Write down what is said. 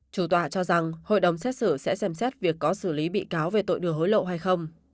chủ tọa cho rằng hội đồng xét xử sẽ xem xét việc có xử lý bị cáo về tội đưa hối lộ hay không